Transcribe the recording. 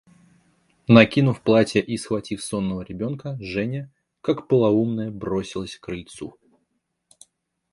Накинув платье и схватив сонного ребенка, Женя, как полоумная, бросилась к крыльцу.